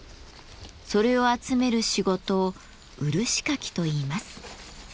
それを集める仕事を漆かきといいます。